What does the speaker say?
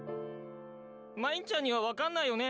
・まいんちゃんにはわかんないよね。